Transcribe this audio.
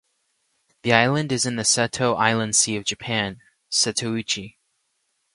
The island is in the Seto Inland Sea of Japan (Setouchi).